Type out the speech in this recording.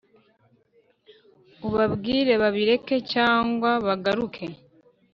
Ubabwire babireke cg bagaruke